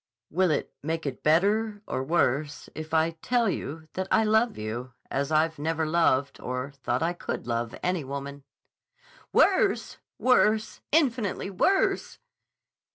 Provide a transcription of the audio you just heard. "Will it make it better or worse if I tell you that I love you as I never loved or thought I could love any woman?" "Worse! Worse! Infinitely worse!"